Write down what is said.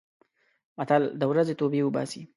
متل: د ورځې توبې اوباسي.